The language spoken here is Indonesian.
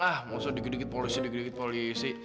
ah mau se dikit dikit polisi dikit dikit polisi